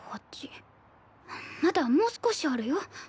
まだもう少しあるよ。